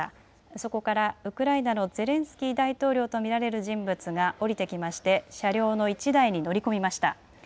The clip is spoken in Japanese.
そこからウクライナのゼレンスキー大統領と身られる人物が降りてきまして車両の１台に乗り込みました。